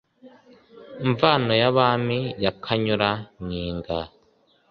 Mvano ya Bami ya Kanyura-nkiga